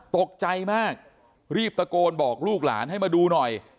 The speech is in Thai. ตกใจมากรีบตะโกนบอกลูกหลานให้มาดูหน่อย